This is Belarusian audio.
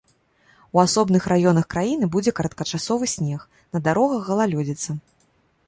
У асобных раёнах краіны будзе кароткачасовы снег, на дарогах галалёдзіца.